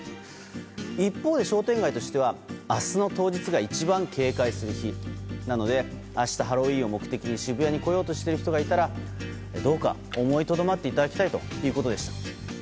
一方で、商店街としては明日の当日が一番警戒する日なので明日、ハロウィーンを目的に渋谷に来ようという人がいたらどうか思いとどまっていただきたいということでした。